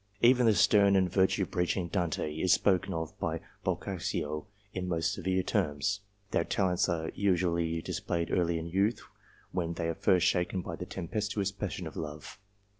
Even the stern and virtue preaching Dante is spoken of by Boccaccio in most severe terms. 1 Their talents are usually displayed early in youth, when they are first shaken by the tem pestuous passion of love.